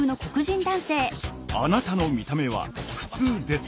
あなたの見た目は「ふつう」ですか？